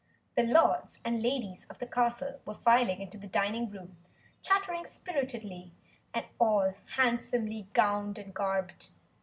The Lords and Ladies of the Castle were filing into the dining room, chattering spiritedly, and all handsomely gowned and garbed.